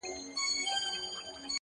ما په سهار لس رکاته کړي وي.